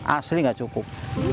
asli nggak cukup